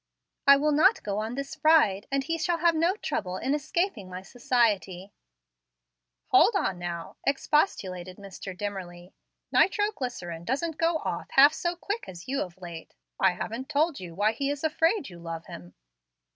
"I will not go on this ride, and he shall have no trouble in escaping my society." "Hold on, now," expostulated Mr. Dimmerly. "Nitroglycerine doesn't go off half so quick as you of late. I haven't told you why he is afraid you love him."